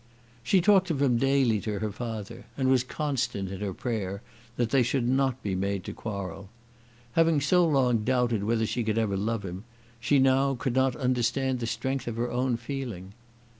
She talked of him daily to her father, and was constant in her prayer that they should not be made to quarrel. Having so long doubted whether she could ever love him, she now could not understand the strength of her own feeling.